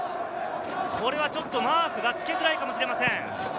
これはちょっとマークがつきづらいかもしれません。